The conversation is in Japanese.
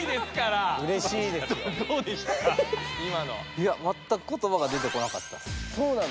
いやまったく言葉が出てこなかった。